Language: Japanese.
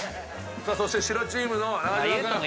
そして白チームの中島君。